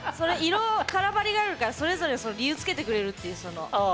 色カラバリがあるからそれぞれ理由つけてくれるっていうその。